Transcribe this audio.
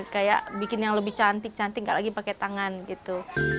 kayak bikin yang lebih cantik cantik nggak lagi pakai tangan gitu